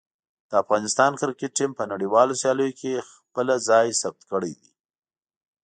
د افغانستان کرکټ ټیم په نړیوالو سیالیو کې خپله ځای ثبت کړی دی.